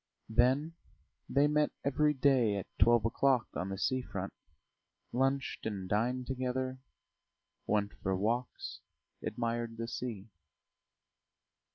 Then they met every day at twelve o'clock on the sea front, lunched and dined together, went for walks, admired the sea.